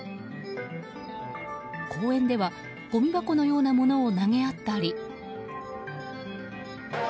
公園では、ごみ箱のようなものを投げ合ったり。